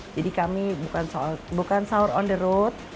jadi kami bukan sahur on the road